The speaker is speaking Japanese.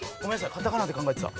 カタカナで考えてた。